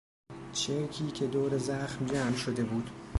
چرکی که دور زخم جمع شده بود.